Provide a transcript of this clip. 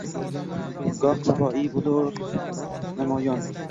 Gox Navoiy bo’lar namoyon.